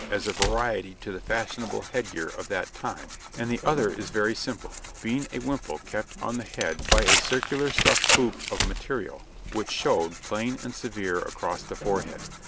as a variety to the fashionable head gear of that time, and the other is very simple, being a wimple kept on the head by a circular stuffed hoop of material, which showed, plain and severe across the forehead.